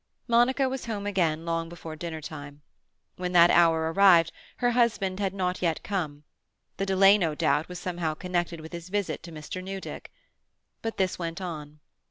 Monica was home again long before dinner time. When that hour arrived her husband had not yet come; the delay, no doubt, was somehow connected with his visit to Mr. Newdick. But this went on.